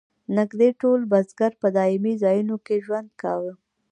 نږدې ټول بزګر په دایمي ځایونو کې ژوند کاوه.